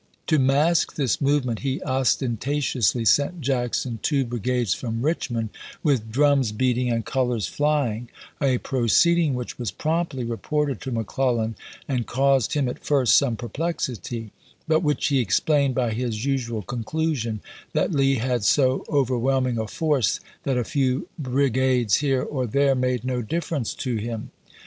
To mask this movement he ostentatiously sent Jackson two bri gades from Richmond, with drums beating and colors flying, a proceeding which was promptly reported to McClellan and caused him at first some perplexity, but which he explained by his usual conclusion that Lee had so overwhelming a force that a few brigades here or there made no differ ence to him.